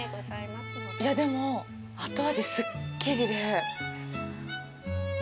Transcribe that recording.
でも、後味すっきりで。